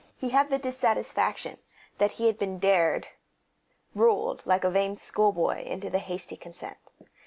He had the dissatisfaction of feeling that he had been ruled, dared, like a vain schoolboy, into the hasty consent.